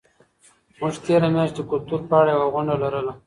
موږ تېره میاشت د کلتور په اړه یوه غونډه لرله.